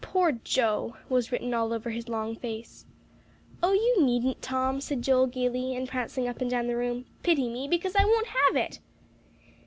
"Poor Joe!" was written all over his long face. "Oh, you needn't, Tom," said Joel gaily, and prancing up and down the room, "pity me, because I won't have it."